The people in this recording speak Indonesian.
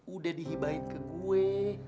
udah dihibahin ke gue